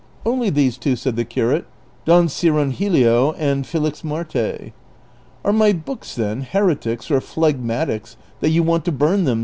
" Only these two," said the curate, '' Don Cirongilio and Felixmarte." "Are my books, then, heretics or phlegmatics that you want to burn them